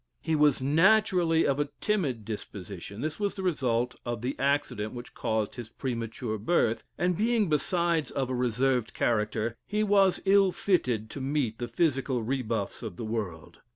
He was naturally of a timid disposition: this was the result of the accident which caused his premature birth, and being besides of a reserved character, he was ill fitted to meet the physical rebuffs of the world.